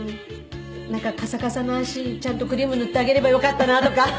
なんかカサカサの足ちゃんとクリーム塗ってあげればよかったなとか。